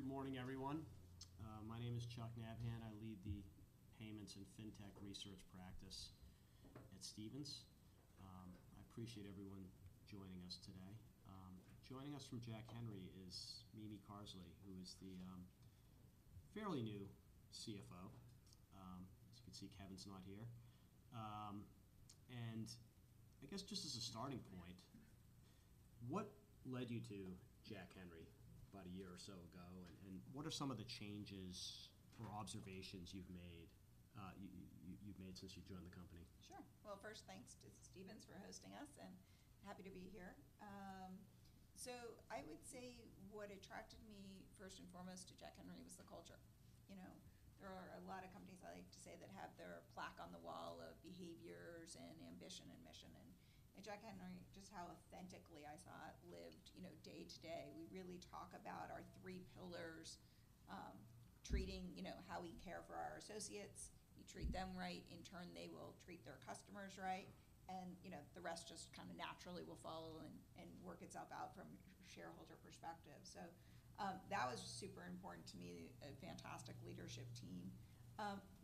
Good morning, everyone. My name is Chuck Nabhan. I lead the Payments and Fintech Research Practice at Stephens. I appreciate everyone joining us today. Joining us from Jack Henry is Mimi Carsley, who is the fairly new CFO. As you can see, Kevin's not here. And I guess just as a starting point, what led you to Jack Henry about a year or so ago? And what are some of the changes or observations you've made since you've joined the company? Sure. Well, first, thanks to Stephens for hosting us, and happy to be here. So I would say what attracted me, first and foremost, to Jack Henry, was the culture. You know, there are a lot of companies, I like to say, that have their plaque on the wall of behaviors and ambition and mission. And at Jack Henry, just how authentically I saw it lived, you know, day to day. We really talk about our three pillars, treating, you know, how we care for our associates. You treat them right, in turn, they will treat their customers right, and, you know, the rest just kind of naturally will follow and, and work itself out from a shareholder perspective. So, that was super important to me, a fantastic leadership team.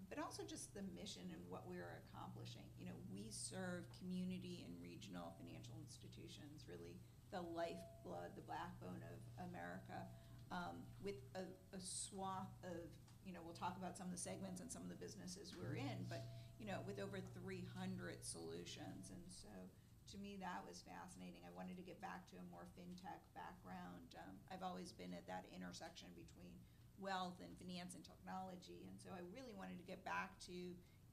But also just the mission and what we're accomplishing. You know, we serve community and regional financial institutions, really the lifeblood, the backbone of America, with a swath of... You know, we'll talk about some of the segments and some of the businesses we're in, but, you know, with over 300 solutions. And so to me, that was fascinating. I wanted to get back to a more fintech background. I've always been at that intersection between wealth and finance and technology, and so I really wanted to get back to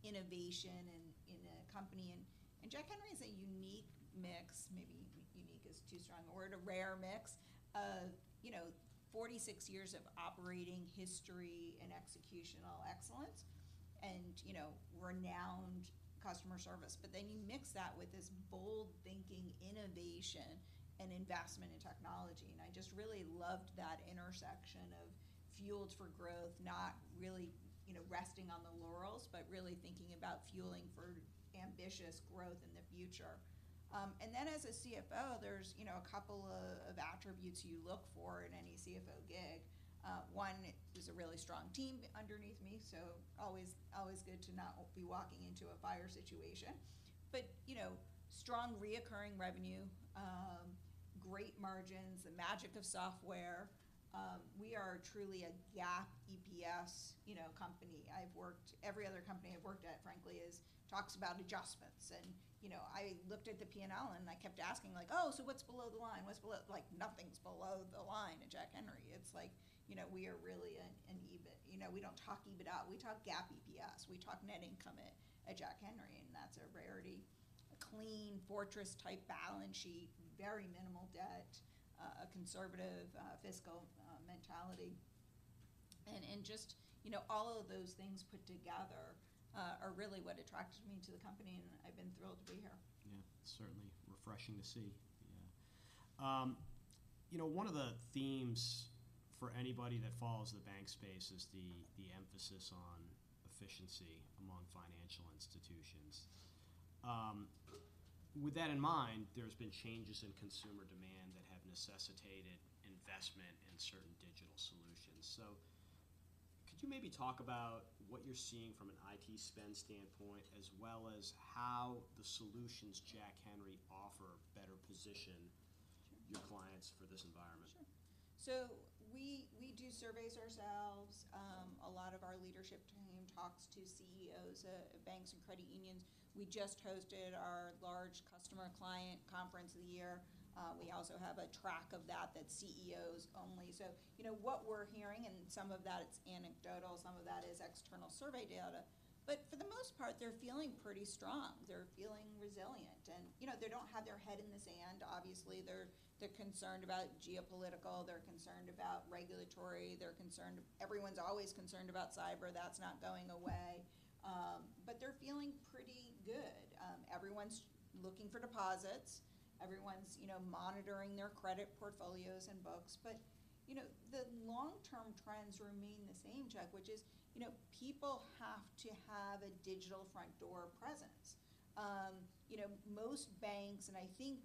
innovation and in a company. Jack Henry is a unique MIX. Maybe unique is too strong a word, a rare mix of, you know, 46 years of operating history and executional excellence and, you know, renowned customer service. But then you mix that with this bold-thinking, innovation, and investment in technology. I just really loved that intersection of fueled for growth, not really, you know, resting on the laurels, but really thinking about fueling for ambitious growth in the future. And then as a CFO, there's, you know, a couple of attributes you look for in any CFO gig. One is a really strong team underneath me, so always good to not walking into a fire situation. But, you know, strong recurring revenue, great margins, the magic of software. We are truly a GAAP EPS, you know, company. I've worked. Every other company I've worked at, frankly, talks about adjustments. And, you know, I looked at the P&L, and I kept asking like: "Oh, so what's below the line? What's below..." Like, nothing's below the line at Jack Henry. It's like, you know, we are really an EBIT. You know, we don't talk EBITDA, we talk GAAP EPS. We talk net income at Jack Henry, and that's a rarity. A clean, fortress-type balance sheet, very minimal debt, a conservative, fiscal mentality. And just, you know, all of those things put together are really what attracted me to the company, and I've been thrilled to be here. Yeah, certainly refreshing to see. Yeah. You know, one of the themes for anybody that follows the bank space is the emphasis on efficiency among financial institutions. With that in mind, there's been changes in consumer demand that have necessitated investment in certain digital solutions. So could you maybe talk about what you're seeing from an IT spend standpoint, as well as how the solutions Jack Henry offer better position- Sure. your clients for this environment? Sure. So we do surveys ourselves. A lot of our leadership team talks to CEOs of banks and credit unions. We just hosted our large customer client conference of the year. We also have a track of that, that's CEOs only. So you know what we're hearing, and some of that it's anecdotal, some of that is external survey data, but for the most part, they're feeling pretty strong. They're feeling resilient, and, you know, they don't have their head in the sand. Obviously, they're concerned about geopolitical, they're concerned about regulatory, they're concerned. Everyone's always concerned about cyber. That's not going away. But they're feeling pretty good. Everyone's looking for deposits. Everyone's, you know, monitoring their credit portfolios and books. But, you know, the long-term trends remain the same, Chuck, which is, you know, people have to have a digital front door presence. You know, most banks, and I think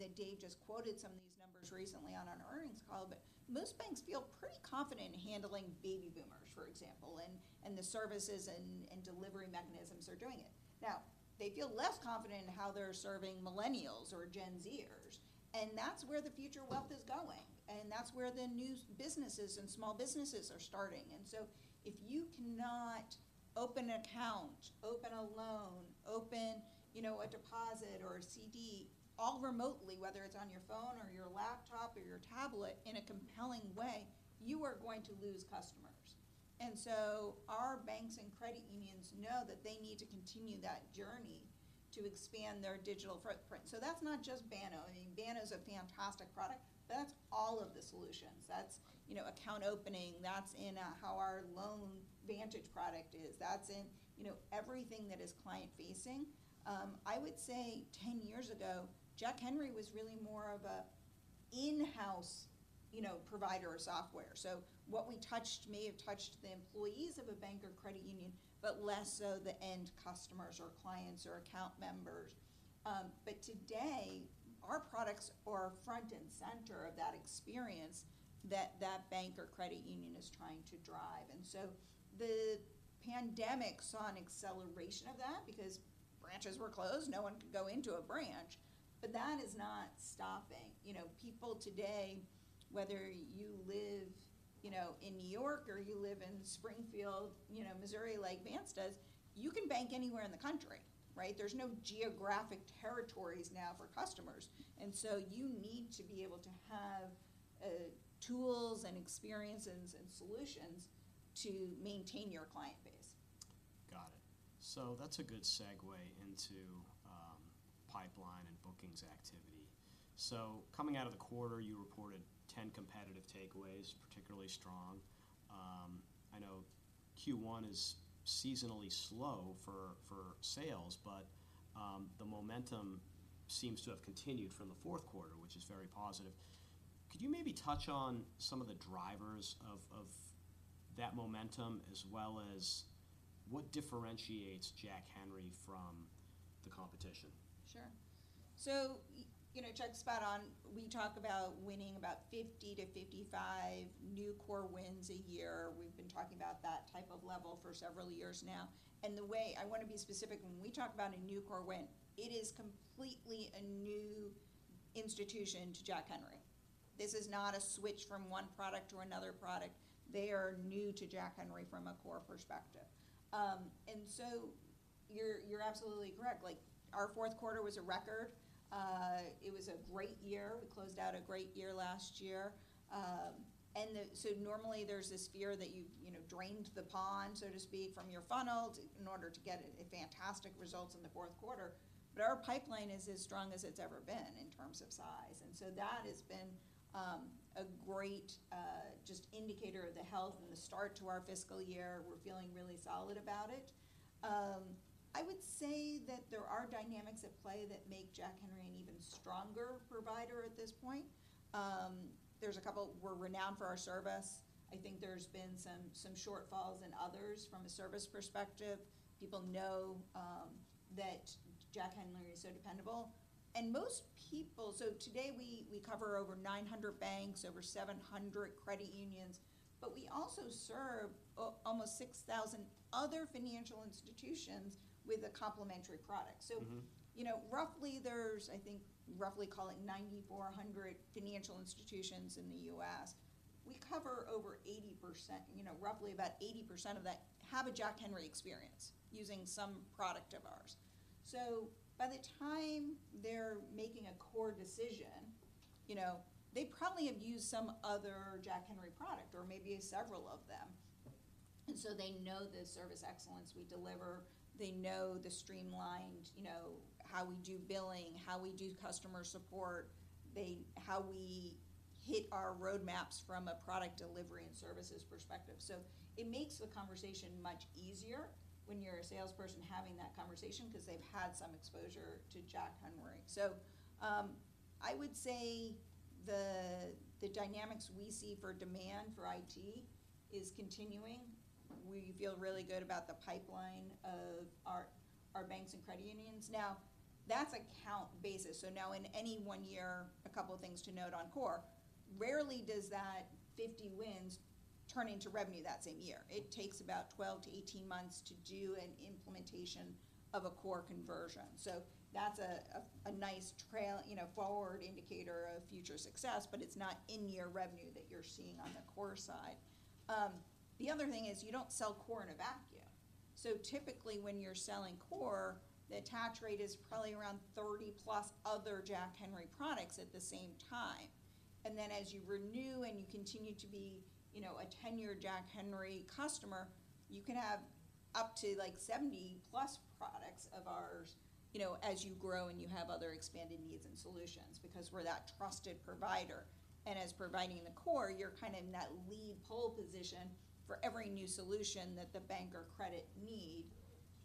[the day] I just quoted some of these numbers recently on an earnings call, but most banks feel pretty confident in handling Baby Boomers, for example, and, and the services and, and delivery mechanisms are doing it. Now, they feel less confident in how they're serving millennials or Gen Z-ers, and that's where the future wealth is going, and that's where the new businesses and small businesses are starting. And so if you cannot open an account, open a loan, open, you know, a deposit or a CD, all remotely, whether it's on your phone or your laptop or your tablet, in a compelling way, you are going to lose customers. So our banks and credit unions know that they need to continue that journey to expand their digital footprint. So that's not just Banno. I mean, Banno is a fantastic product, but that's all of the solutions. That's, you know, account opening, that's in how our LoanVantage product is. That's in, you know, everything that is client-facing. I would say 10 years ago, Jack Henry was really more of an in-house, you know, provider or software. So what we touched may have touched the employees of a bank or credit union, but less so the end customers or clients or account members. But today, our products are front and center of that experience that that bank or credit union is trying to drive. And so the pandemic saw an acceleration of that because branches were closed. No one could go into a branch, but that is not stopping. You know, people today, whether you live, you know, in New York or you live in Springfield, you know, Missouri, like Vance does, you can bank anywhere in the country, right? There's no geographic territories now for customers, and so you need to be able to have tools and experiences and solutions to maintain your client base. Got it. That's a good segue into pipeline and bookings activity. Coming out of the quarter, you reported 10 competitive takeaways, particularly strong. I know Q1 is seasonally slow for sales, but the momentum seems to have continued from the fourth quarter, which is very positive. Could you maybe touch on some of the drivers of that momentum, as well as what differentiates Jack Henry from the competition? Sure. So you know, Chuck, spot on. We talk about winning about 50-55 new core wins a year. We've been talking about that type of level for several years now. And the way... I wanna be specific, when we talk about a new core win, it is completely a new institution to Jack Henry. This is not a switch from one product to another product. They are new to Jack Henry from a core perspective. And so you're, you're absolutely correct. Like, our fourth quarter was a record. It was a great year. We closed out a great year last year. And so normally there's this fear that you've, you know, drained the pond, so to speak, from your funnels in order to get a fantastic results in the fourth quarter. But our pipeline is as strong as it's ever been in terms of size, and so that has been a great just indicator of the health and the start to our fiscal year. We're feeling really solid about it. I would say that there are dynamics at play that make Jack Henry an even stronger provider at this point. There's a couple. We're renowned for our service. I think there's been some shortfalls in others from a service perspective. People know that Jack Henry is so dependable. And most people. So today we cover over 900 banks, over 700 credit unions, but we also serve almost 6,000 other financial institutions with a complementary product. Mm-hmm. So, you know, roughly there's, I think, roughly call it 9,400 financial institutions in the U.S. We cover over 80%, you know, roughly about 80% of that, have a Jack Henry experience using some product of ours. So by the time they're making a core decision, you know, they probably have used some other Jack Henry product or maybe several of them, and so they know the service excellence we deliver. They know the streamlined, you know, how we do billing, how we do customer support, how we hit our roadmaps from a product delivery and services perspective. So it makes the conversation much easier when you're a salesperson having that conversation, because they've had some exposure to Jack Henry. So, I would say the dynamics we see for demand for IT is continuing. We feel really good about the pipeline of our banks and credit unions. Now, that's account basis. So now in any one year, a couple of things to note on core, rarely does that 50 wins turn into revenue that same year. It takes about 12-18 months to do an implementation of a core conversion. So that's a nice trail, you know, forward indicator of future success, but it's not in-year revenue that you're seeing on the core side. The other thing is, you don't sell core in a vacuum. So typically, when you're selling core, the attach rate is probably around 30+ other Jack Henry products at the same time. And then as you renew and you continue to be, you know, a 10-year Jack Henry customer, you can have up to, like, 70+ products of ours, you know, as you grow and you have other expanded needs and solutions, because we're that trusted provider. And as providing the core, you're kind of in that lead pole position for every new solution that the bank or credit union need.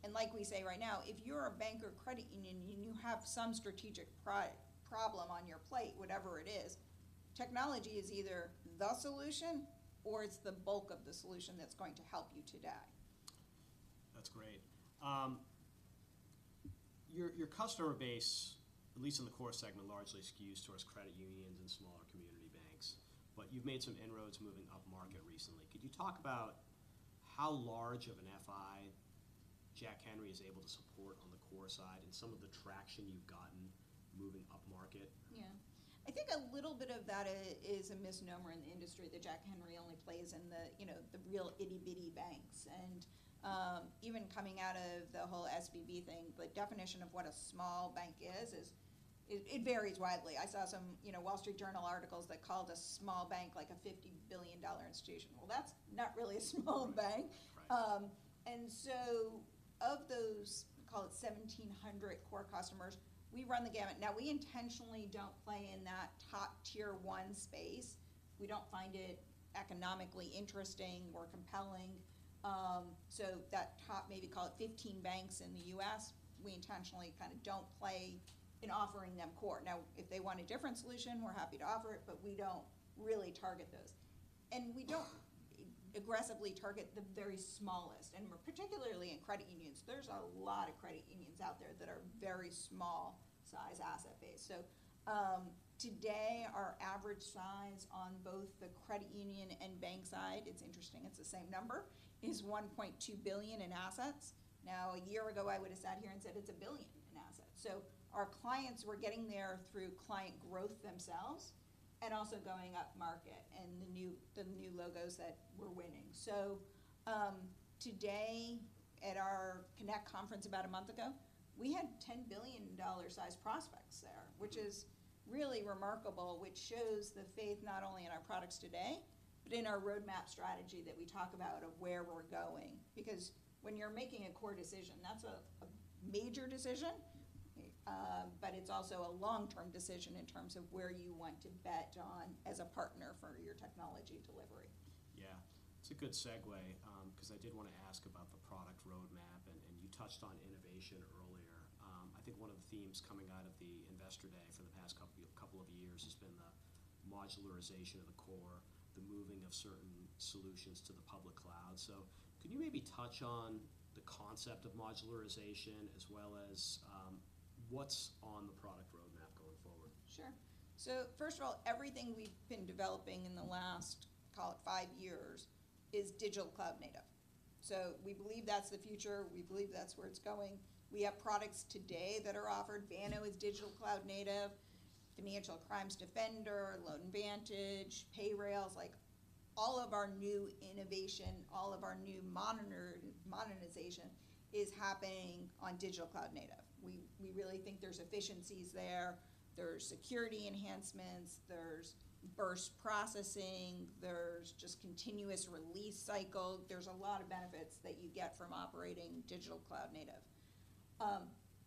And like we say right now, if you're a bank or credit union, and you have some strategic priority or problem on your plate, whatever it is, technology is either the solution or it's the bulk of the solution that's going to help you today. That's great. Your customer base, at least in the core segment, largely skews towards credit unions and smaller community banks, but you've made some inroads moving upmarket recently. Could you talk about how large of an FI Jack Henry is able to support on the core side and some of the traction you've gotten moving upmarket? Yeah. I think a little bit of that is a misnomer in the industry, that Jack Henry only plays in the, you know, the real itty-bitty banks, and even coming out of the whole SVB thing. But definition of what a small bank is, is... It varies widely. I saw some, you know, Wall Street Journal articles that called a small bank, like a $50 billion institution. Well, that's not really a small bank. Right. And so of those, call it 1,700 core customers, we run the gamut. Now, we intentionally don't play in that top tier one space. We don't find it economically interesting or compelling. So that top, maybe call it 15 banks in the US, we intentionally kind of don't play in offering them core. Now, if they want a different solution, we're happy to offer it, but we don't really target those. And we don't aggressively target the very smallest, and we're particularly in credit unions. There's a lot of credit unions out there that are very small size asset base. So, today, our average size on both the credit union and bank side, it's interesting, it's the same number, is $1.2 billion in assets. Now, a year ago, I would have sat here and said, "It's $1 billion in assets." So our clients were getting there through client growth themselves and also going up market and the new logos that we're winning. So, today at our Connect conference about a month ago, we had $10 billion-sized prospects there, which is really remarkable, which shows the faith not only in our products today, but in our roadmap strategy that we talk about of where we're going. Because when you're making a core decision, that's a major decision, but it's also a long-term decision in terms of where you want to bet on as a partner for your technology delivery. Yeah, it's a good segue, because I did want to ask about the product roadmap, and you touched on innovation earlier. I think one of the themes coming out of the Investor Day for the past couple of years has been the modularization of the core, the moving of certain solutions to the public cloud. So could you maybe touch on the concept of modularization as well as what's on the product roadmap going forward? Sure. So first of all, everything we've been developing in the last, call it five years, is digital cloud native. So we believe that's the future, we believe that's where it's going. We have products today that are offered. Banno is digital cloud native, Financial Crimes Defender, LoanVantage, Payrailz. Like, all of our new innovation, all of our new modernization is happening on digital cloud native. We, we really think there's efficiencies there, there's security enhancements, there's burst processing, there's just continuous release cycle. There's a lot of benefits that you get from operating digital cloud native.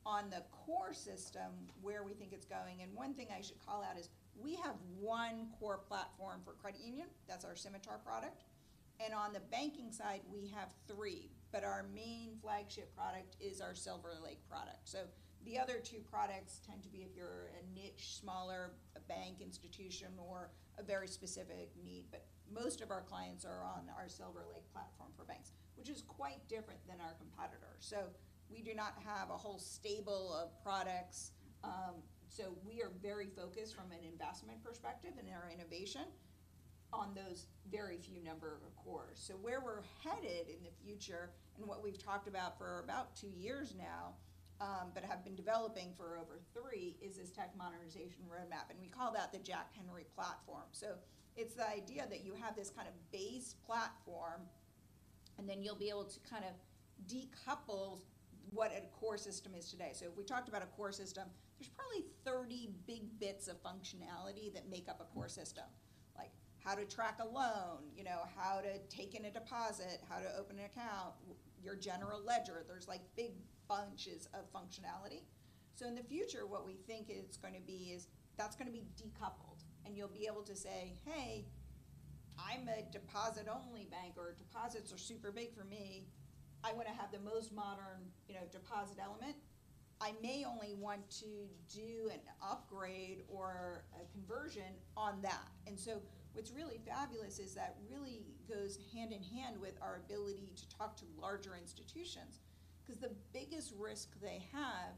On the core system, where we think it's going, and one thing I should call out is we have one core platform for credit union. That's our Symitar product. And on the banking side, we have three, but our main flagship product is our SilverLake product. So the other two products tend to be if you're a niche, smaller, a bank institution or a very specific need. But most of our clients are on our SilverLake platform for banks, which is quite different than our competitors. So we do not have a whole stable of products. So we are very focused from an investment perspective and in our innovation on those very few number of cores. So where we're headed in the future and what we've talked about for about two years now, but have been developing for over three, is this tech modernization roadmap, and we call that the Jack Henry Platform. So it's the idea that you have this kind of base platform, and then you'll be able to kind of decouple what a core system is today. So if we talked about a core system, there's probably 30 big bits of functionality that make up a core system. Like how to track a loan, you know, how to take in a deposit, how to open an account, your general ledger. There's, like, big bunches of functionality. So in the future, what we think it's gonna be is that's gonna be decoupled, and you'll be able to say, "Hey, I'm a deposit-only bank, or deposits are super big for me. I want to have the most modern, you know, deposit element. I may only want to do an upgrade or a conversion on that." And so what's really fabulous is that really goes hand in hand with our ability to talk to larger institutions, because the biggest risk they have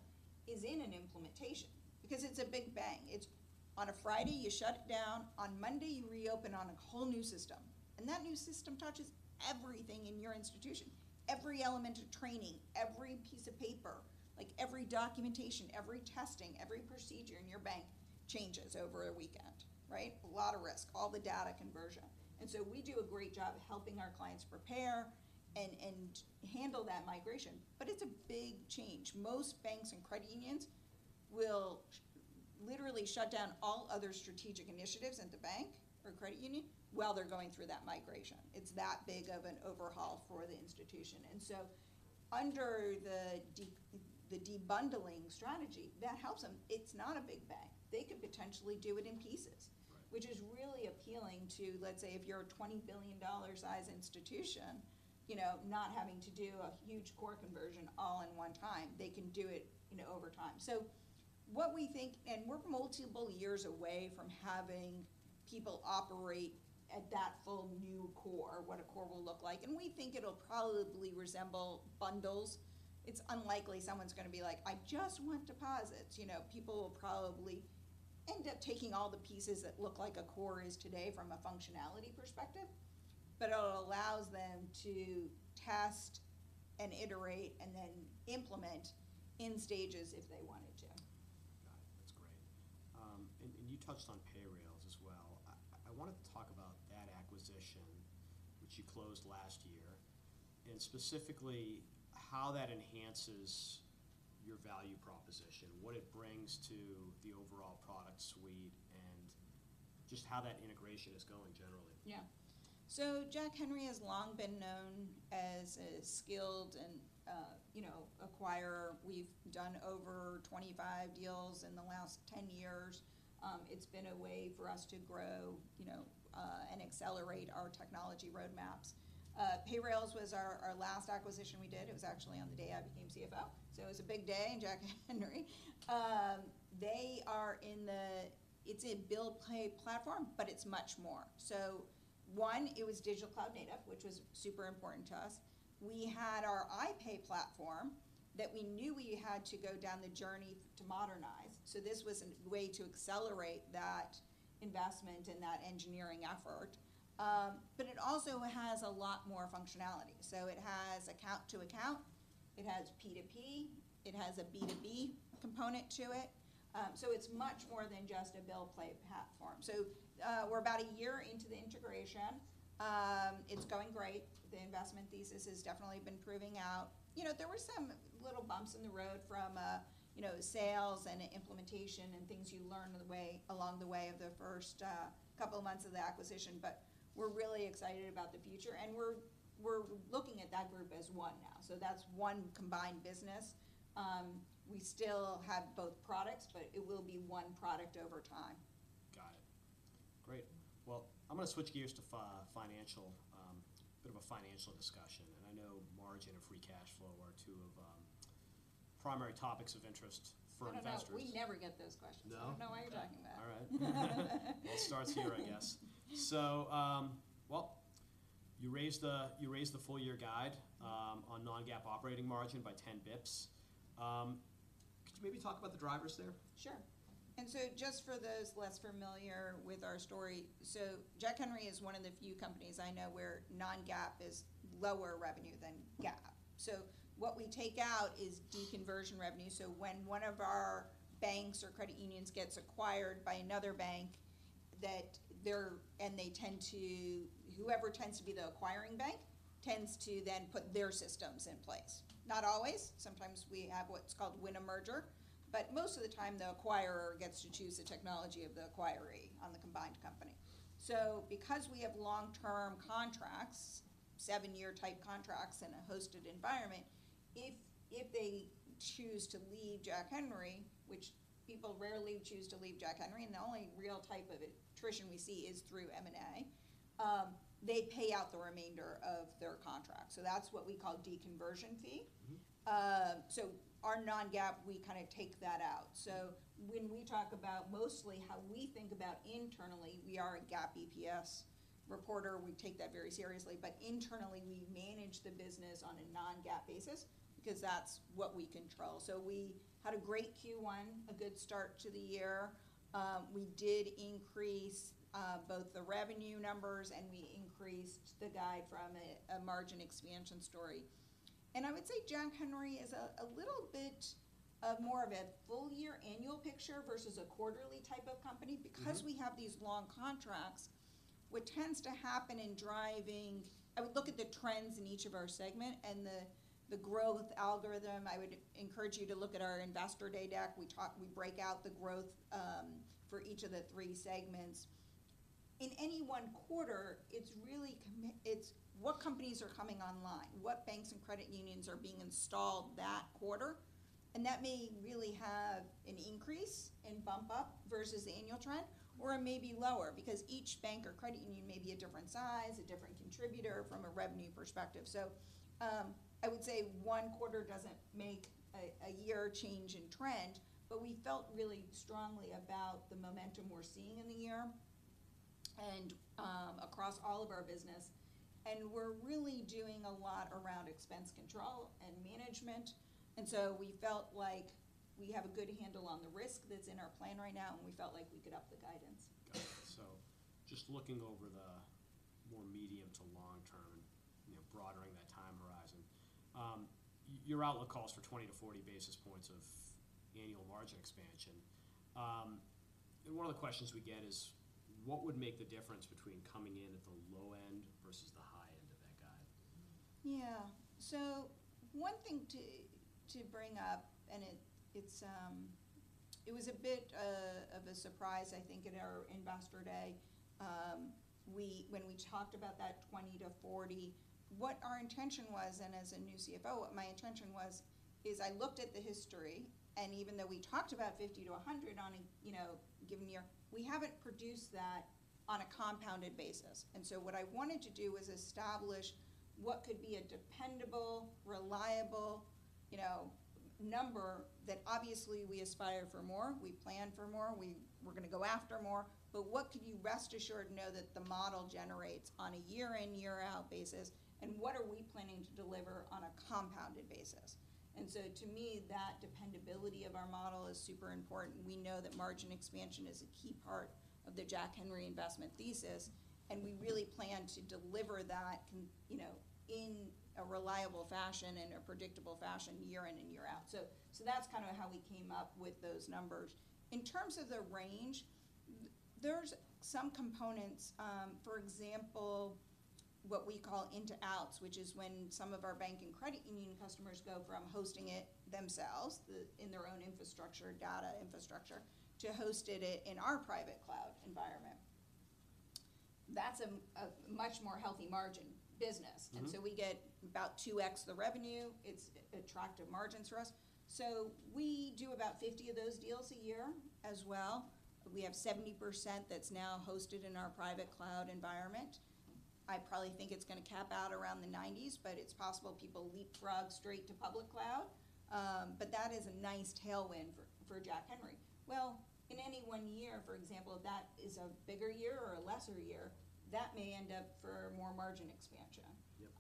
is in an implementation, because it's a big bang. It's on a Friday, you shut it down. On Monday, you reopen on a whole new system, and that new system touches everything in your institution. Every element of training, every piece of paper, like, every documentation, every testing, every procedure in your bank changes over a weekend, right? A lot of risk, all the data conversion. And so we do a great job helping our clients prepare and handle that migration, but it's a big change. Most banks and credit unions will literally shut down all other strategic initiatives in the bank or credit union while they're going through that migration. It's that big of an overhaul for the institution. And so under the debundling strategy, that helps them. It's not a big bang. They could potentially do it in pieces. Right. - which is really appealing to, let's say, if you're a $20 billion-sized institution, you know, not having to do a huge core conversion all in one time. They can do it, you know, over time. So what we think, and we're multiple years away from having people operate at that full new core, what a core will look like, and we think it'll probably resemble bundles. It's unlikely someone's gonna be like: I just want deposits. You know, people will probably end up taking all the pieces that look like a core is today from a functionality perspective, but it allows them to test and iterate and then implement in stages if they wanted to. Got it. That's great. And you touched on Payrailz as well. I wanted to talk about that acquisition, which you closed last year, and specifically how that enhances your value proposition, what it brings to the overall product suite, and just how that integration is going generally. Yeah. So Jack Henry has long been known as a skilled and, you know, acquirer. We've done over 25 deals in the last 10 years... it's been a way for us to grow, you know, and accelerate our technology roadmaps. Payrailz was our, our last acquisition we did. It was actually on the day I became CFO, so it was a big day in Jack Henry. They are in the—it's a bill pay platform, but it's much more. So one, it was digital cloud native, which was super important to us. We had our iPay platform that we knew we had to go down the journey to modernize. So this was a way to accelerate that investment and that engineering effort. But it also has a lot more functionality. So it has account to account, it has P2P, it has a B2B component to it. So it's much more than just a bill pay platform. So, we're about a year into the integration. It's going great. The investment thesis has definitely been proving out. You know, there were some little bumps in the road from, you know, sales and implementation, and things you learn along the way of the first couple of months of the acquisition. But we're really excited about the future, and we're looking at that group as one now. So that's one combined business. We still have both products, but it will be one product over time. Got it. Great! Well, I'm gonna switch gears to financial, a bit of a financial discussion. I know margin and free cash flow are two of primary topics of interest for investors. I don't know. We never get those questions. No? I don't know why you're talking about it. All right. It starts here, I guess. So, well, you raised the, you raised the full year guide- Mm-hmm. On non-GAAP operating margin by 10 basis points. Could you maybe talk about the drivers there? Sure. And so just for those less familiar with our story, so Jack Henry is one of the few companies I know where non-GAAP is lower revenue than GAAP. So what we take out is deconversion revenue. So when one of our banks or credit unions gets acquired by another bank, that they're. And they tend to whoever tends to be the acquiring bank, tends to then put their systems in place. Not always, sometimes we have what's called win a merger, but most of the time, the acquirer gets to choose the technology of the acquiree on the combined company. So because we have long-term contracts, 7-year type contracts in a hosted environment, if they choose to leave Jack Henry, which people rarely choose to leave Jack Henry, and the only real type of attrition we see is through M&A, they pay out the remainder of their contract. So that's what we call deconversion fee. Mm-hmm. So our non-GAAP, we kinda take that out. So when we talk about mostly how we think about internally, we are a GAAP EPS reporter. We take that very seriously. But internally, we manage the business on a non-GAAP basis because that's what we control. So we had a great Q1, a good start to the year. We did increase both the revenue numbers, and we increased the guide from a margin expansion story. And I would say Jack Henry is a little bit more of a full year annual picture versus a quarterly type of company. Mm-hmm. Because we have these long contracts, what tends to happen, I would look at the trends in each of our segment and the growth algorithm. I would encourage you to look at our Investor Day deck. We talk, we break out the growth for each of the three segments. In any one quarter, it's really, it's what companies are coming online, what banks and credit unions are being installed that quarter, and that may really have an increase and bump up versus the annual trend, or it may be lower because each bank or credit union may be a different size, a different contributor from a revenue perspective. So, I would say one quarter doesn't make a year change in trend, but we felt really strongly about the momentum we're seeing in the year, and across all of our business. We're really doing a lot around expense control and management, and so we felt like we have a good handle on the risk that's in our plan right now, and we felt like we could up the guidance. Got it. So just looking over the more medium to long-term, you know, broadening that time horizon, your outlook calls for 20-40 basis points of annual margin expansion. And one of the questions we get is: What would make the difference between coming in at the low end versus the high end of that guide? Yeah. So one thing to bring up, and it's a bit of a surprise, I think, at our Investor Day. When we talked about that 20-40, what our intention was, and as a new CFO, what my intention was, is I looked at the history, and even though we talked about 50-100 on a, you know, given year, we haven't produced that on a compounded basis. And so what I wanted to do was establish what could be a dependable, reliable, you know, number, that obviously we aspire for more, we plan for more, we're gonna go after more. But what could you rest assured know that the model generates on a year in, year out basis, and what are we planning to deliver on a compounded basis? To me, that dependability of our model is super important. We know that margin expansion is a key part of the Jack Henry investment thesis, and we really plan to deliver that, you know, in a reliable fashion and a predictable fashion, year in and year out. So that's kind of how we came up with those numbers. In terms of the range, there's some components, for example, what we call into outs, which is when some of our bank and credit union customers go from hosting it themselves, in their own infrastructure, data infrastructure, to hosted it in our product... that's a much more healthy margin business. Mm-hmm. And so we get about 2x the revenue. It's attractive margins for us. So we do about 50 of those deals a year as well. We have 70% that's now hosted in our private cloud environment. I probably think it's gonna cap out around the 90s, but it's possible people leapfrog straight to public cloud. But that is a nice tailwind for Jack Henry. Well, in any one year, for example, if that is a bigger year or a lesser year, that may end up for more margin expansion. Yep.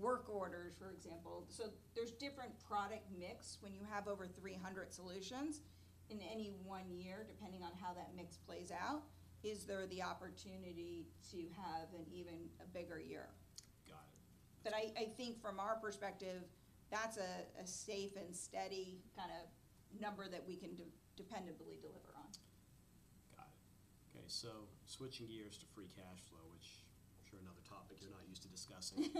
Work orders, for example. So there's different product mix when you have over 300 solutions in any one year, depending on how that mix plays out. Is there the opportunity to have an even bigger year? Got it. But I think from our perspective, that's a safe and steady kind of number that we can dependably deliver on. Got it. Okay, so switching gears to free cash flow, which I'm sure another topic you're not used to discussing.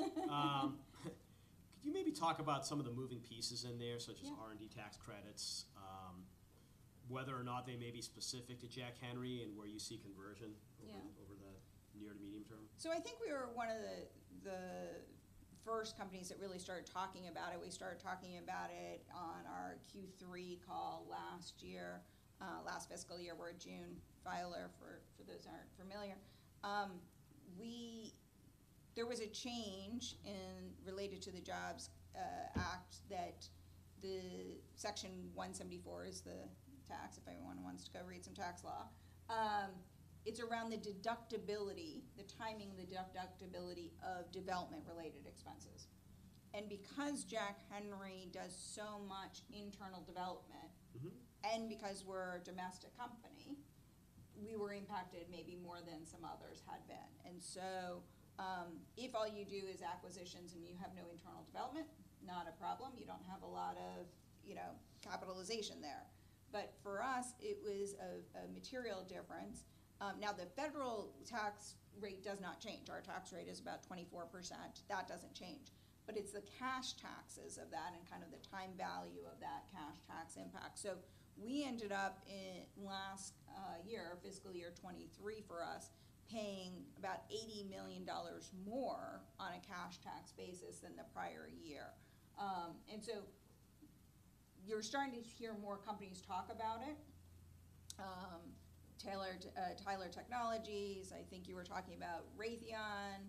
Could you maybe talk about some of the moving pieces in there- Yeah... such as R&D tax credits, whether or not they may be specific to Jack Henry, and where you see conversion- Yeah... over the near to medium term? So I think we were one of the first companies that really started talking about it. We started talking about it on our Q3 call last year, last fiscal year. We're a June filer, for those who aren't familiar. We—there was a change in related to the Jobs Act, that the Section 174 is the tax, if anyone wants to go read some tax law. It's around the deductibility, the timing and the deductibility of development-related expenses. And because Jack Henry does so much internal development- Mm-hmm... and because we're a domestic company, we were impacted maybe more than some others had been. And so, if all you do is acquisitions and you have no internal development, not a problem, you don't have a lot of, you know, capitalization there. But for us, it was a material difference. Now, the federal tax rate does not change. Our tax rate is about 24%. That doesn't change. But it's the cash taxes of that and kind of the time value of that cash tax impact. So we ended up in last year, fiscal year 2023 for us, paying about $80 million more on a cash tax basis than the prior year. And so you're starting to hear more companies talk about it. Tyler Technologies, I think you were talking about Raytheon.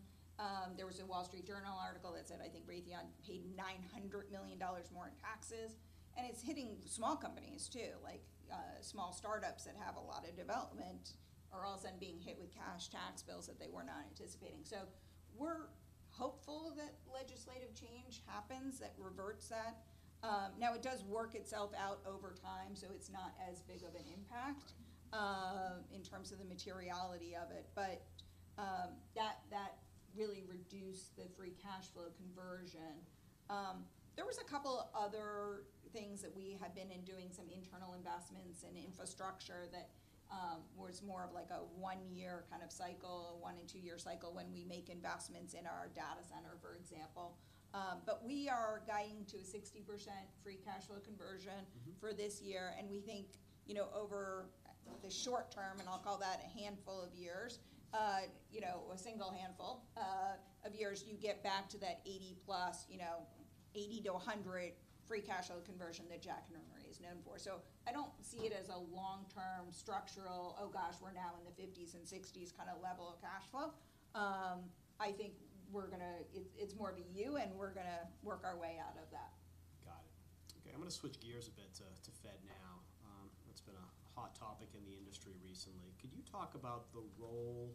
There was a Wall Street Journal article that said, I think Raytheon paid $900 million more in taxes. And it's hitting small companies too. Like, small startups that have a lot of development are all of a sudden being hit with cash tax bills that they were not anticipating. So we're hopeful that legislative change happens that reverts that. Now, it does work itself out over time, so it's not as big of an impact- Right In terms of the materiality of it. But, that really reduced the free cash flow conversion. There was a couple other things that we had been in, doing some internal investments and infrastructure that was more of like a 1-year kind of cycle, 1- and 2-year cycle when we make investments in our data center, for example. But we are guiding to a 60% free cash flow conversion- Mm-hmm For this year, and we think, you know, over the short term, and I'll call that a handful of years, you know, a single handful of years, you get back to that 80+, you know, 80%-100% free cash flow conversion that Jack Henry is known for. So I don't see it as a long-term structural, "Oh, gosh, we're now in the 50s and 60s," kind of level of cash flow. I think we're gonna. It's, it's more of a U, and we're gonna work our way out of that. Got it. Okay, I'm gonna switch gears a bit to FedNow. That's been a hot topic in the industry recently. Could you talk about the role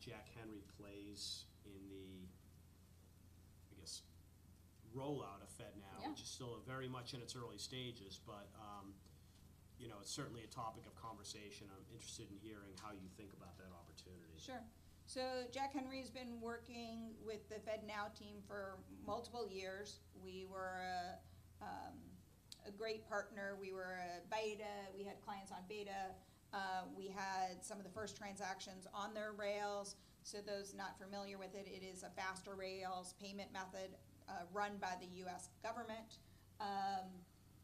Jack Henry plays in the, I guess, rollout of FedNow? Yeah. Which is still very much in its early stages, but, you know, it's certainly a topic of conversation. I'm interested in hearing how you think about that opportunity. Sure. So Jack Henry's been working with the FedNow team for multiple years. We were a great partner. We were a beta. We had clients on beta. We had some of the first transactions on their rails. So those not familiar with it, it is a faster rails payment method, run by the U.S. government.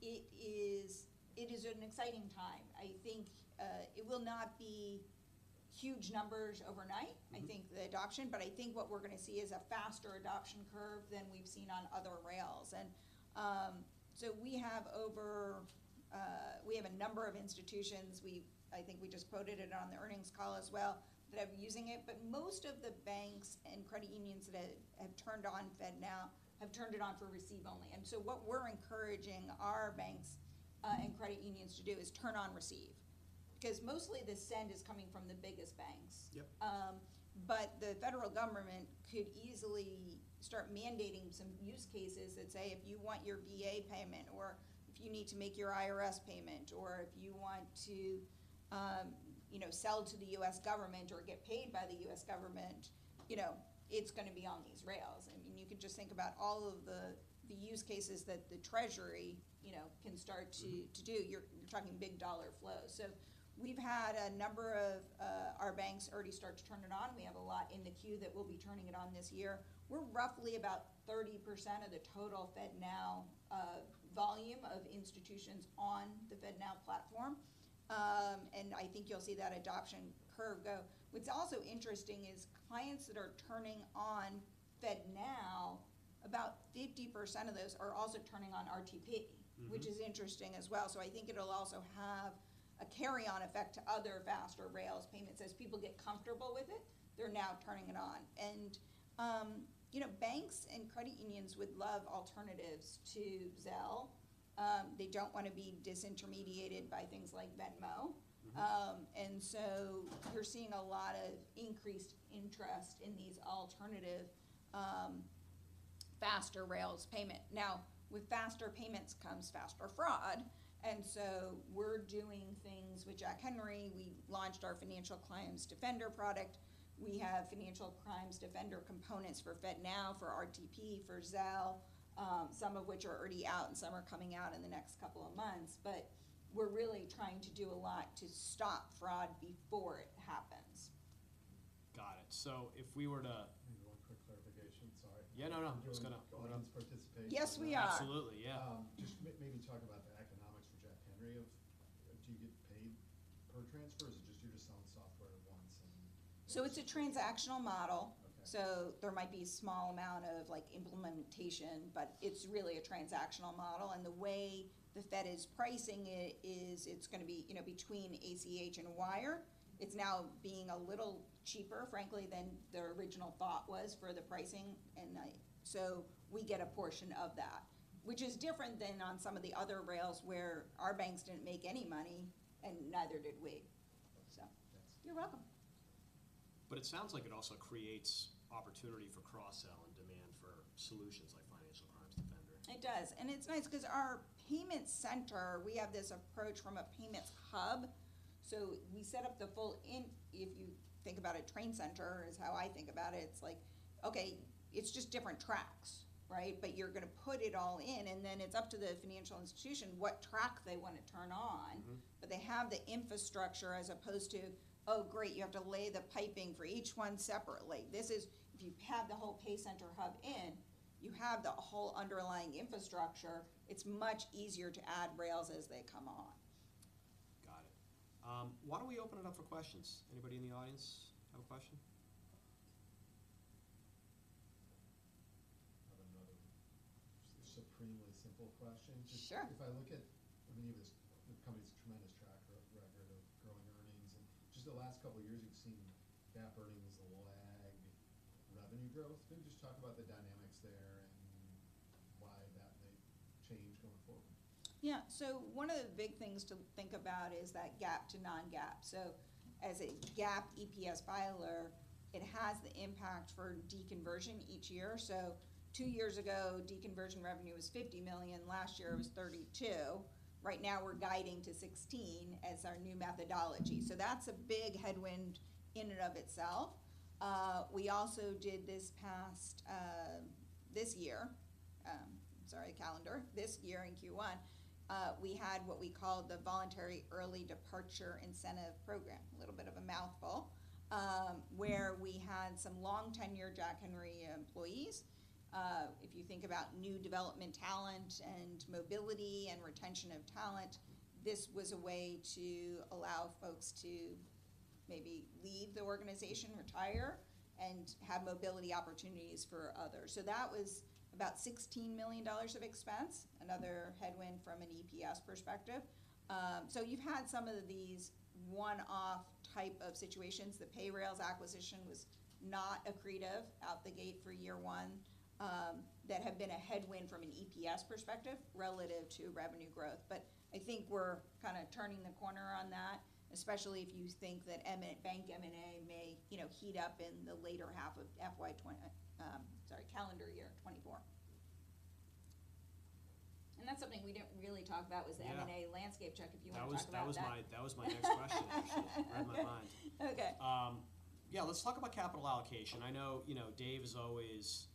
It is an exciting time. I think, it will not be huge numbers overnight- Mm-hmm I think the adoption, but I think what we're gonna see is a faster adoption curve than we've seen on other rails. And so we have over. We have a number of institutions. I think we just quoted it on the earnings call as well, that have been using it. But most of the banks and credit unions that have turned on FedNow have turned it on for receive only. And so what we're encouraging our banks and credit unions to do is turn on receive, because mostly the send is coming from the biggest banks. Yep. But the federal government could easily start mandating some use cases that say, if you want your VA payment or if you need to make your IRS payment, or if you want to, you know, sell to the US government or get paid by the US government, you know, it's gonna be on these rails. I mean, you could just think about all of the use cases that the Treasury, you know, can start to- Mm-hmm... to do. You're talking big dollar flows. So we've had a number of our banks already start to turn it on. We have a lot in the queue that will be turning it on this year. We're roughly about 30% of the total FedNow volume of institutions on the FedNow platform... and I think you'll see that adoption curve go. What's also interesting is clients that are turning on FedNow, about 50% of those are also turning on RTP- Mm-hmm. Which is interesting as well. So I think it'll also have a carry-on effect to other faster rails payments. As people get comfortable with it, they're now turning it on. And, you know, banks and credit unions would love alternatives to Zelle. They don't wanna be disintermediated by things like Venmo. Mm-hmm. And so we're seeing a lot of increased interest in these alternative, faster rails payment. Now, with faster payments comes faster fraud, and so we're doing things with Jack Henry. We've launched our Financial Crimes Defender product. We have Financial Crimes Defender components for FedNow, for RTP, for Zelle, some of which are already out, and some are coming out in the next couple of months. But we're really trying to do a lot to stop fraud before it happens. Got it. So if we were to- Maybe one quick clarification, sorry. Yeah, no, no. Just gonna- Audience participation. Yes, we are. Absolutely, yeah. Just maybe talk about the economics for Jack Henry of... Do you get paid per transfer, or is it just you're just selling software once and- It's a transactional model. Okay. So there might be a small amount of, like, implementation, but it's really a transactional model, and the way the Fed is pricing it is it's gonna be, you know, between ACH and wire. It's now being a little cheaper, frankly, than their original thought was for the pricing at night. So we get a portion of that, which is different than on some of the other rails where our banks didn't make any money, and neither did we. So- Thanks. You're welcome. But it sounds like it also creates opportunity for cross-sell and demand for solutions like Financial Crimes Defender. It does, and it's nice 'cause our payment center, we have this approach from a payments hub. So we set up the full, if you think about a train center, is how I think about it, it's like, okay, it's just different tracks, right? But you're gonna put it all in, and then it's up to the financial institution what track they wanna turn on. Mm-hmm. But they have the infrastructure as opposed to, "Oh, great, you have to lay the piping for each one separately." This is if you have the whole pay center hub in, you have the whole underlying infrastructure, it's much easier to add rails as they come on. Got it. Why don't we open it up for questions? Anybody in the audience have a question? I have another supremely simple question. Sure. If I look at many of these, the company's tremendous track record of growing earnings, and just the last couple of years, you've seen GAAP earnings lag revenue growth. Can you just talk about the dynamics there and why that may change going forward? Yeah. So one of the big things to think about is that GAAP to non-GAAP. So as a GAAP EPS filer, it has the impact for deconversion each year. So two years ago, deconversion revenue was $50 million, last year it was $32 million. Right now, we're guiding to $16 million as our new methodology. So that's a big headwind in and of itself. We also did this past calendar year. This year in Q1, we had what we called the Voluntary Early Departure Incentive Program, a little bit of a mouthful, where we had some long-tenure Jack Henry employees. If you think about new development talent, and mobility, and retention of talent, this was a way to allow folks to maybe leave the organization, retire, and have mobility opportunities for others. So that was about $16 million of expense, another headwind from an EPS perspective. So you've had some of these one-off type of situations. The Payrailz acquisition was not accretive out the gate for year one, that have been a headwind from an EPS perspective relative to revenue growth. But I think we're kinda turning the corner on that, especially if you think that bank M&A may, you know, heat up in the later half of FY 2020, calendar year 2024. And that's something we didn't really talk about- Yeah Was the M&A landscape check, if you wanna talk about that. That was my next question, actually. Right in my mind. Okay. Yeah, let's talk about capital allocation. I know, you know, Dave has always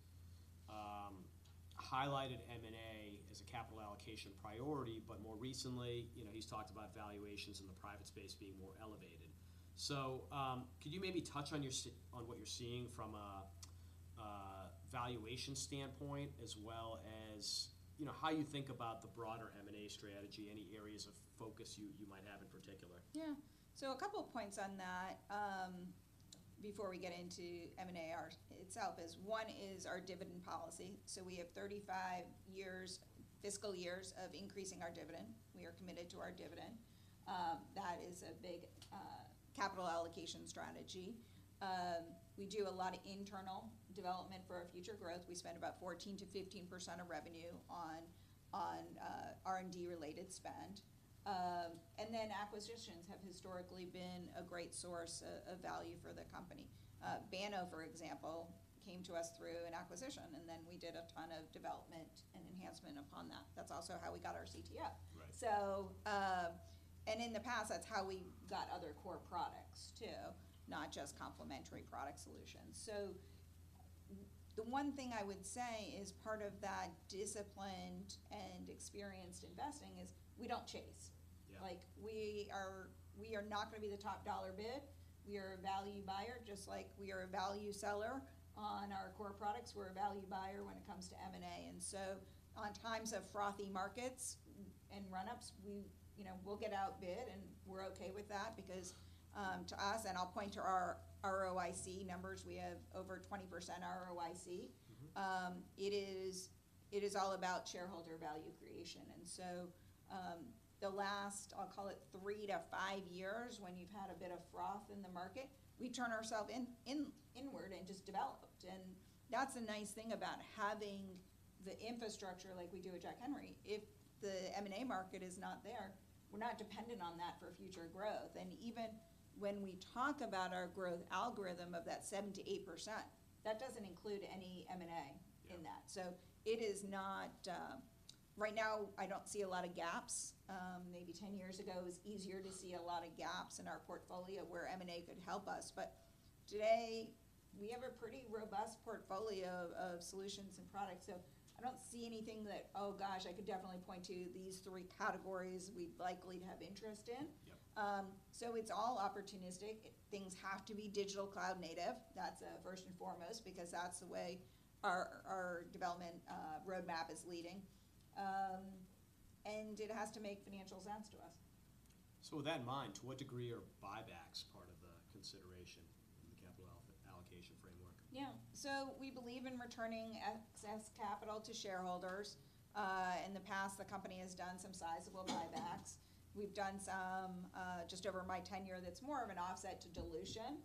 highlighted M&A as a capital allocation priority, but more recently, you know, he's talked about valuations in the private space being more elevated. So, could you maybe touch on what you're seeing from a valuation standpoint, as well as, you know, how you think about the broader M&A strategy, any areas of focus you might have in particular? Yeah. So a couple of points on that, before we get into M&A itself, is one is our dividend policy. So we have 35 fiscal years of increasing our dividend. We are committed to our dividend. That is a big capital allocation strategy. We do a lot of internal development for our future growth. We spend about 14%-15% of revenue on R&D-related spend. And then acquisitions have historically been a great source of value for the company. Banno, for example, came to us through an acquisition, and then we did a ton of development and enhancement upon that. That's also how we got our CIF. Right. So, and in the past, that's how we got other core products, too, not just complementary product solutions. So the one thing I would say is part of that disciplined and experienced investing is we don't chase. Yeah. Like, we are not gonna be the top dollar bid. We are a value buyer, just like we are a value seller on our core products. We're a value buyer when it comes to M&A. And so in times of frothy markets and run-ups, we, you know, we'll get outbid, and we're okay with that because, to us, and I'll point to our ROIC numbers, we have over 20% ROIC. Mm-hmm. It is all about shareholder value creation. And so, the last, I'll call it three to five years, when you've had a bit of froth in the market, we turn ourselves inward and just developed. And that's the nice thing about having the infrastructure like we do at Jack Henry. If the M&A market is not there, we're not dependent on that for future growth. And even when we talk about our growth algorithm of that 7%-8%, that doesn't include any M&A. Yeah in that. So it is not. Right now, I don't see a lot of gaps. Maybe 10 years ago, it was easier to see a lot of gaps in our portfolio where M&A could help us. But today, we have a pretty robust portfolio of solutions and products, so I don't see anything that, oh, gosh, I could definitely point to these three categories we'd likely to have interest in. Yep. So it's all opportunistic. Things have to be digital cloud native. That's first and foremost, because that's the way our development roadmap is leading. And it has to make financial sense to us. With that in mind, to what degree are buybacks part of the consideration in the capital allocation framework? Yeah. So we believe in returning excess capital to shareholders. In the past, the company has done some sizable buybacks. We've done some, just over my tenure, that's more of an offset to dilution.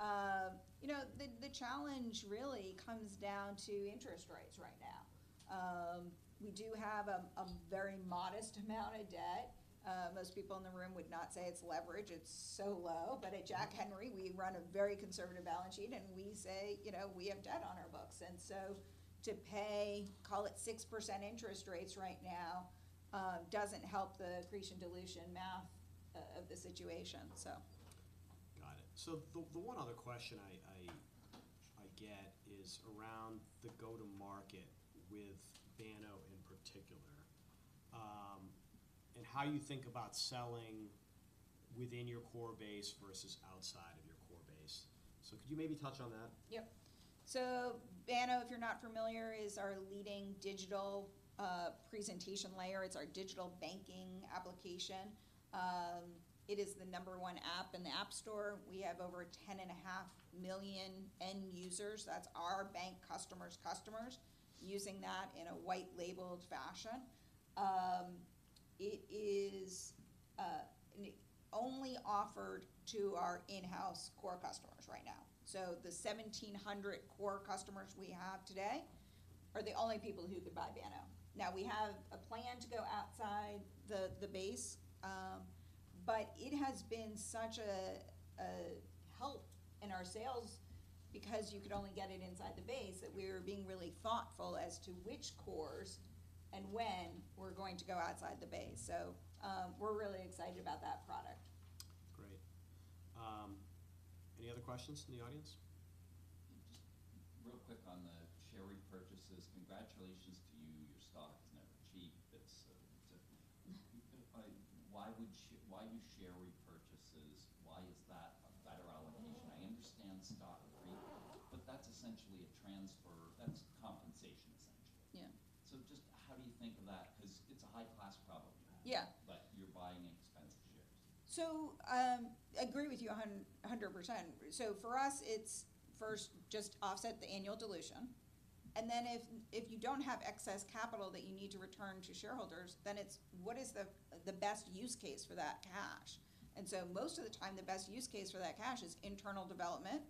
Mm-hmm. You know, the challenge really comes down to interest rates right now. We do have a very modest amount of debt. Most people in the room would not say it's leverage. It's so low. But at Jack Henry- Mm... we run a very conservative balance sheet, and we say, you know, we have debt on our books. And so to pay, call it 6% interest rates right now, doesn't help the accretion dilution math, of the situation, so. Got it. So the one other question I get is around the go-to-market with Banno in particular, and how you think about selling within your core base versus outside of your core base. So could you maybe touch on that? Yep. So Banno, if you're not familiar, is our leading digital presentation layer. It's our digital banking application. It is the number one app in the App Store. We have over 10.5 million end users. That's our bank customers, customers using that in a white labeled fashion. It is only offered to our in-house core customers right now. So the 1,700 core customers we have today are the only people who could buy Banno. Now, we have a plan to go outside the base, but it has been such a help in our sales because you could only get it inside the base, that we are being really thoughtful as to which cores and when we're going to go outside the base. So, we're really excited about that product. Great. Any other questions from the audience? Just real quick on the share repurchases. Congratulations to you. Your stock is never cheap. It's... Why would—why do share repurchases, why is that a better allocation? I understand stock agreed, but that's essentially a transfer. That's compensation, essentially. Yeah. Just how do you think of that? Because it's a high-class problem you have. Yeah. But you're buying expensive shares. So, I agree with you 100%. So for us, it's first just offset the annual dilution, and then if you don't have excess capital that you need to return to shareholders, then it's what is the best use case for that cash? And so most of the time, the best use case for that cash is internal development.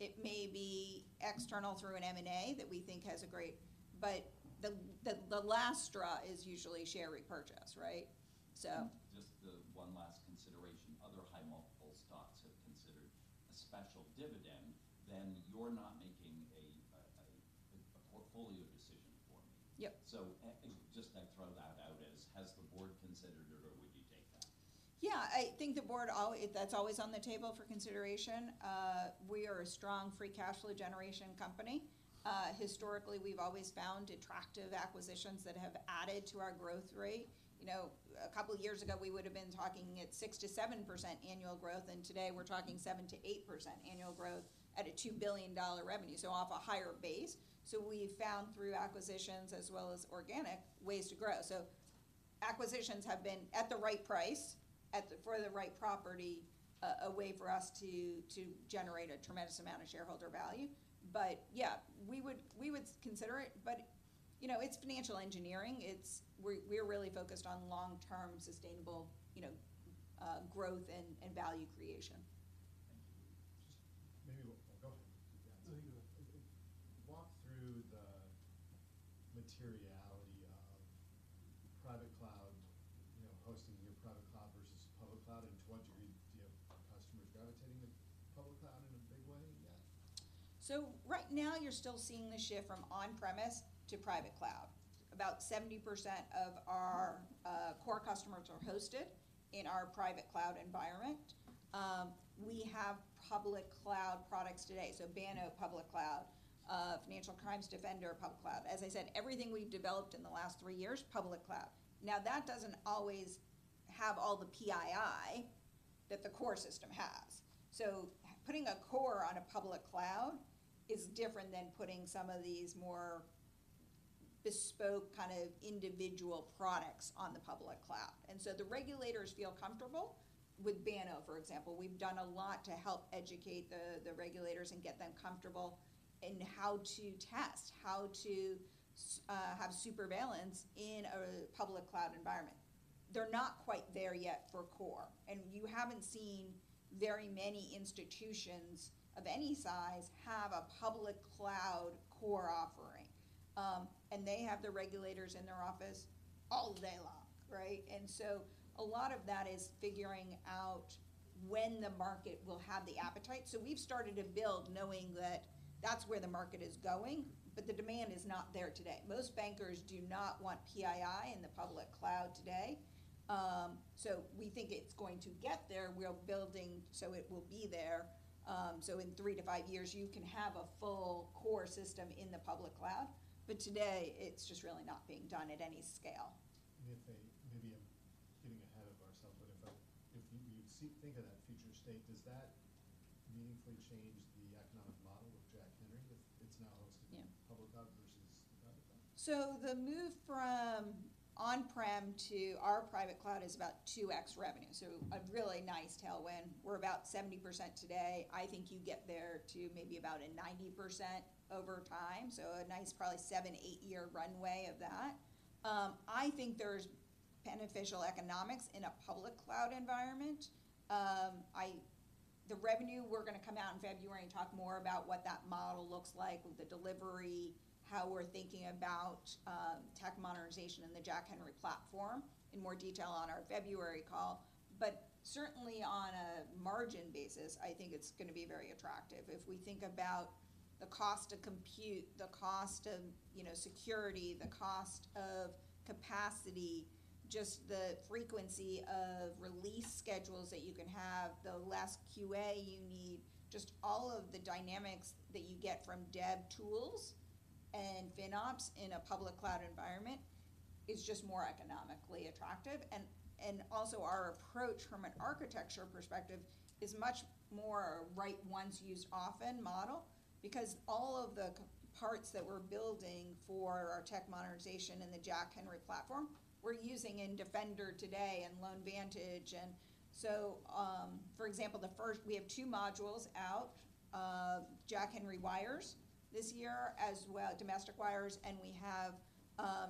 It may be external through an M&A that we think has a great - but the last straw is usually share repurchase, right? So- Just the one last consideration. Other high multiple stocks have considered a special dividend, then you're not making a portfolio decision for me. Yep. So, I just throw that out as has the board considered it, or would you take that? Yeah, I think the board always that's always on the table for consideration. We are a strong free cash flow generation company. Historically, we've always found attractive acquisitions that have added to our growth rate. You know, a couple of years ago, we would have been talking at 6% to 7% annual growth, and today we're talking 7% to 8% annual growth at a $2 billion revenue, so off a higher base. So we found through acquisitions as well as organic ways to grow. So acquisitions have been at the right price, at the for the right property, a way for us to generate a tremendous amount of shareholder value. But yeah, we would consider it, but, you know, it's financial engineering. It's we're really focused on long-term, sustainable, you know, growth and value creation. Thank you. Just maybe one. Go ahead. No, you go ahead. Walk through the materiality of private cloud, you know, hosting your private cloud versus public cloud, and to what degree do you have customers gravitating to public cloud in a big way yet? So right now, you're still seeing the shift from on-premise to private cloud. About 70% of our core customers are hosted in our private cloud environment. We have public cloud products today, so Banno public cloud, Financial Crimes Defender public cloud. As I said, everything we've developed in the last three years, public cloud. Now, that doesn't always have all the PII that the core system has. So putting a core on a public cloud is different than putting some of these more bespoke, kind of individual products on the public cloud. And so the regulators feel comfortable with Banno, for example. We've done a lot to help educate the regulators and get them comfortable in how to test, how to have surveillance in a public cloud environment. They're not quite there yet for core, and you haven't seen very many institutions of any size have a public cloud core offering. They have the regulators in their office all day long, right? So a lot of that is figuring out when the market will have the appetite. So we've started to build knowing that that's where the market is going, but the demand is not there today. Most bankers do not want PII in the public cloud today. So we think it's going to get there. We're building, so it will be there, so in 3-5 years, you can have a full core system in the public cloud. But today, it's just really not being done at any scale. Maybe I'm getting ahead of ourselves, but if you see, think of that future state, does that meaningfully change the economic model of Jack Henry if it's now hosted- Yeah... in public cloud versus private cloud? So the move from on-prem to our private cloud is about 2x revenue, so a really nice tailwind. We're about 70% today. I think you get there to maybe about a 90% over time, so a nice probably 7-8-year runway of that. I think there's beneficial economics in a public cloud environment. The revenue, we're gonna come out in February and talk more about what that model looks like with the delivery, how we're thinking about, tech modernization and the Jack Henry platform in more detail on our February call. But certainly on a margin basis, I think it's gonna be very attractive. If we think about the cost to compute, the cost of, you know, security, the cost of capacity, just the frequency of release schedules that you can have, the less QA you need. Just all of the dynamics that you get from dev tools and FinOps in a public cloud environment is just more economically attractive. And also our approach from an architecture perspective is much more write once, use often model because all of the key parts that we're building for our tech modernization in the Jack Henry Platform, we're using in Defender today and LoanVantage. And so, for example, we have 2 modules out, Jack Henry Wires this year, as well, Domestic Wires, and we have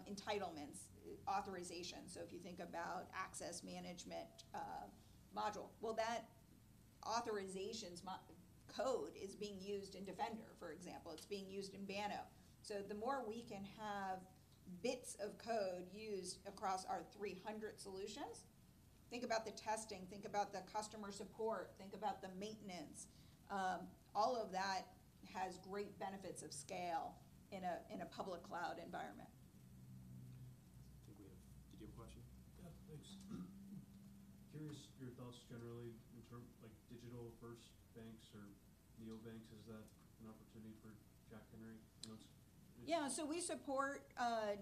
entitlements, authorization. So if you think about access management module, well, that authorization module code is being used in Defender, for example. It's being used in Banno. So the more we can have bits of code used across our 300 solutions, think about the testing, think about the customer support, think about the maintenance. All of that has great benefits of scale in a public cloud environment. I think we have... Did you have a question? Yeah, thanks. Curious your thoughts generally in terms—like digital-first banks or neobanks, is that an opportunity for Jack Henry in those areas? Yeah. So we support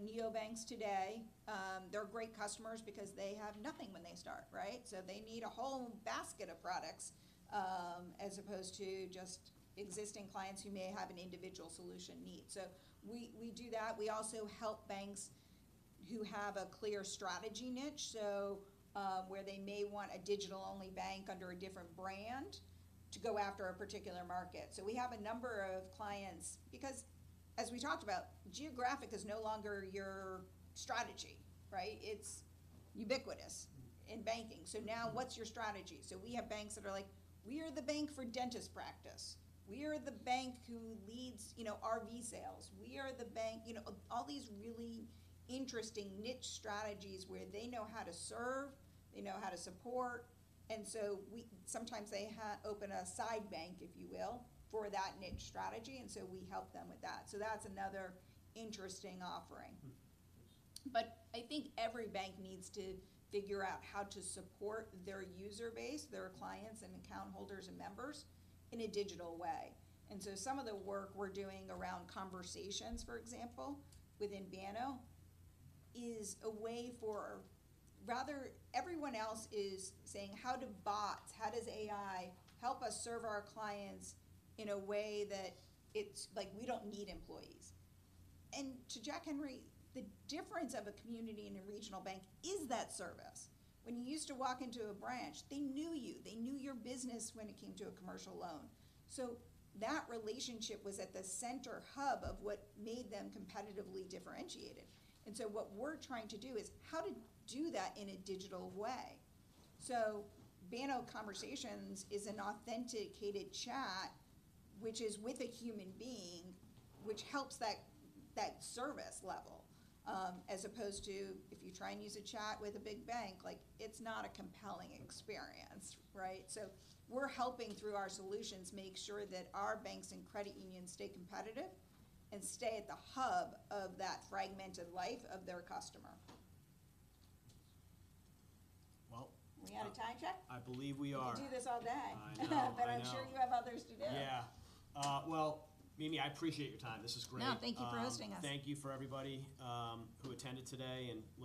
neobanks today. They're great customers because they have nothing when they start, right? So they need a whole basket of products as opposed to just existing clients who may have an individual solution need. So we, we do that. We also help banks who have a clear strategy niche, so where they may want a digital-only bank under a different brand to go after a particular market. So we have a number of clients... Because as we talked about, geographic is no longer your strategy, right? It's ubiquitous in banking. So now, what's your strategy? So we have banks that are like: We are the bank for dentist practice. We are the bank who leads, you know, RV sales. We are the bank... You know, all these really interesting niche strategies where they know how to serve, they know how to support, and so sometimes they open a side bank, if you will, for that niche strategy, and so we help them with that. So that's another interesting offering. Mm-hmm. Thanks. But I think every bank needs to figure out how to support their user base, their clients and account holders and members, in a digital way. And so some of the work we're doing around conversations, for example, within Banno, is a way for... Rather, everyone else is saying: How do bots, how does AI help us serve our clients in a way that it's like we don't need employees? And to Jack Henry, the difference of a community and a regional bank is that service. When you used to walk into a branch, they knew you, they knew your business when it came to a commercial loan. So that relationship was at the center hub of what made them competitively differentiated. And so what we're trying to do is how to do that in a digital way. So Banno Conversations is an authenticated chat, which is with a human being, which helps that, that service level, as opposed to if you try and use a chat with a big bank, like, it's not a compelling experience, right? So we're helping, through our solutions, make sure that our banks and credit unions stay competitive and stay at the hub of that fragmented life of their customer. Well- We out of time, Jack? I believe we are. We could do this all day. I know. I know. But I'm sure you have others to do. Yeah. Well, Mimi, I appreciate your time. This is great. No, thank you for hosting us. Thank you for everybody who attended today and listened-